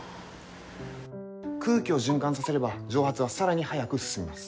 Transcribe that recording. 空気を循環させれば蒸発は更に早く進みます。